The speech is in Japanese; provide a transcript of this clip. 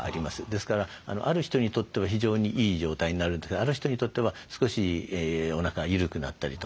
ですからある人にとっては非常にいい状態になるんですけどある人にとっては少しおなかが緩くなったりとかするものもあります。